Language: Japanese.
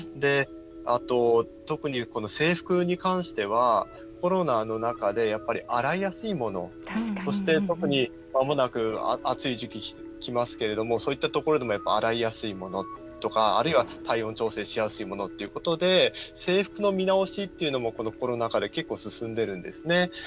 あと、特に制服に関してはコロナの中で洗いやすいものとしてそして、特にまもなく暑い時期がきますけどもそういったところで洗いやすいものとかあるいは、体温調整をしやすいものってことで制服の見直しというのもコロナ禍で結構、進んでるんですね。